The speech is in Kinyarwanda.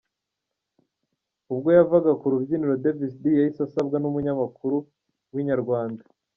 Ubwo yavaga ku rubyiniro Davis D yahise asabwa n’umunyamakuru wa Inyarwanda.